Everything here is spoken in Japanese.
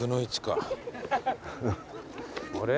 あれ？